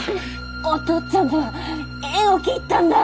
お父っつぁんとは縁を切ったんだ。